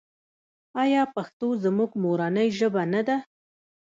آیا پښتو زموږ مورنۍ ژبه نه ده؟